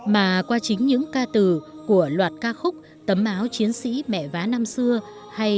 mà qua chính những ca từ của loạt ca khúc tấm áo chiến sĩ mẹ vá năm xưa